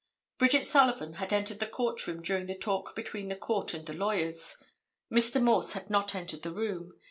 Bridget Sullivan had entered the court room during the talk between the court and the lawyers. Mr. Morse had not entered the room.